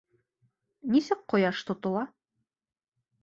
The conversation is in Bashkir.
— Нисек ҡояш тотола?